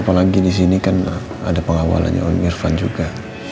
apalagi disini kan ada pengawalannya om irfan juga